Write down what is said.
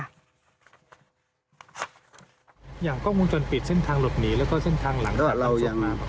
อย่างกล้องมุมจนปิดเส้นทางหลบหนีแล้วก็เส้นทางหลังจากการสมบัติ